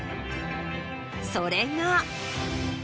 それが。